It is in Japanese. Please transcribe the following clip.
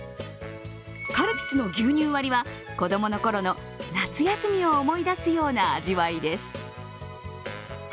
カルピスの牛乳割りは子供のころの夏休みを思い出すような味わいです。